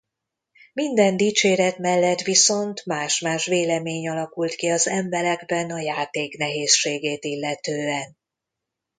Minden dicséret mellett viszont más-más vélemény alakult ki az emberekben a játék nehézségét illetően.